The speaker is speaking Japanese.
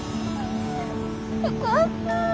よかった！